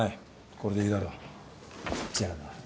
これでいいだろじゃあな。